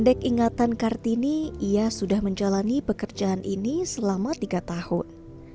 pendek ingatan kartini ia sudah menjalani pekerjaan ini selama tiga tahun